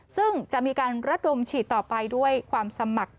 ซึ่งจะมีการระดมฉีดต่อไปด้วยความสมัคร